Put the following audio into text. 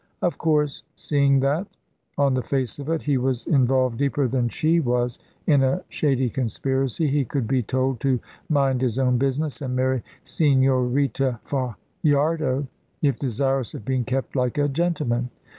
Of course, seeing that, on the face of it, he was involved deeper than she was in a shady conspiracy, he could be told to mind his own business and marry Señorita Fajardo, if desirous of being kept like a gentleman.